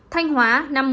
thanh hóa năm mươi sáu